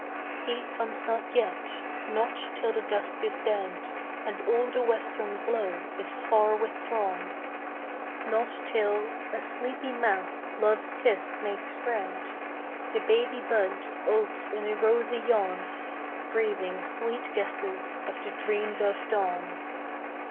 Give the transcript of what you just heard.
He comes not yet: not till the dusk is dead, And all the western glow is far withdrawn; Not till, a sleepy mouth love's kiss makes red, The baby bud opes in a rosy yawn, Breathing sweet guesses of the dreamed of dawn.